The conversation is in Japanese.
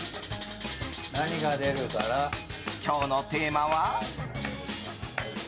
今日のテーマは？